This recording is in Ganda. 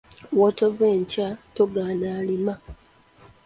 Wootoove nkya, togaana alima.